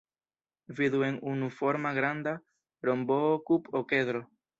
Vidu en unuforma granda rombokub-okedro.